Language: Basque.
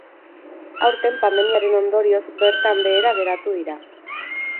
Aurten, pandemiaren ondorioz, bertan behera geratu dira.